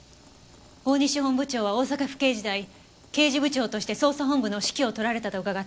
大西本部長は大阪府警時代刑事部長として捜査本部の指揮を執られたと伺っています。